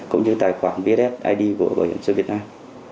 cũng như tài khoản vssid của bảo hiểm xã hội việt nam